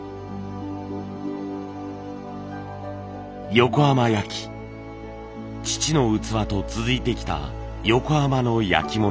横浜焼父の器と続いてきた横浜の焼き物。